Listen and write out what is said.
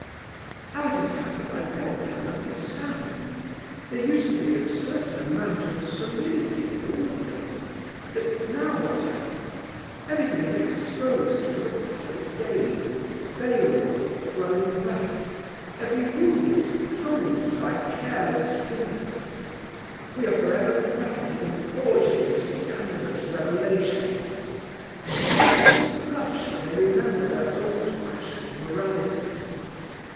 How it has happened I never can understand. There used to be a certain amount of solidity in all things, but now what happens? Everything is exposed to the public gaze, veils are thrown back, every wound is probed by careless fingers. We are for ever present at an orgy of scandalous revelations. Parents blush when they remember their old fashioned morality.